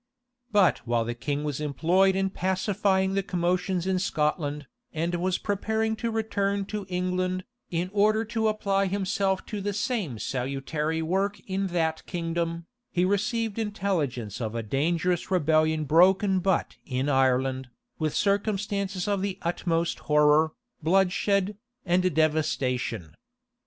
[*] But while the king was employed in pacifying the commotions in Scotland, and was preparing to return to England, in order to apply himself to the same salutary work in that kingdom, he received intelligence of a dangerous rebellion broken but in Ireland, with circumstances of the utmost horror, bloodshed, and devastation.